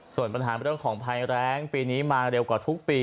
ส่วนปัญหาเรื่องของภัยแรงปีนี้มาเร็วกว่าทุกปี